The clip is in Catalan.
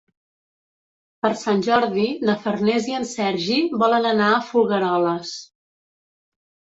Per Sant Jordi na Farners i en Sergi volen anar a Folgueroles.